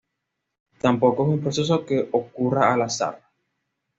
Tampoco es un proceso que ocurra al azar.